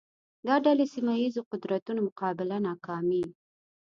دا ډلې سیمه ییزو قدرتونو مقابله ناکامې